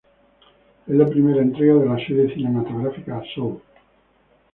Es la primera entrega de la serie cinematográfica "Saw".